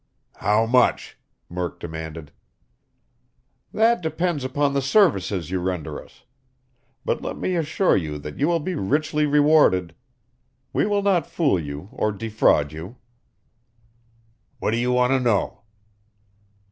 "How much?" Murk demanded. "That depends upon the services you render us. But let me assure you that you will be richly rewarded. We will not fool you or defraud you." "What do you want to know?"